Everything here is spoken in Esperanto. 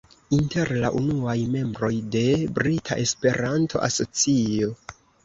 Inter la unuaj membroj de Brita Esperanto-Asocio.